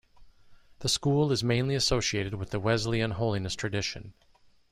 The school is mainly associated with the Wesleyan-Holiness tradition.